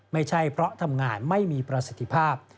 ไม่ใช่เพราะทำงานไม่มีประสิทธิภาพ